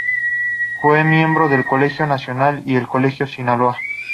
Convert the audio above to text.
Fue miembro de El Colegio Nacional y El Colegio de Sinaloa.